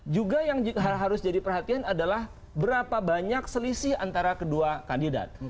juga yang harus jadi perhatian adalah berapa banyak selisih antara kedua kandidat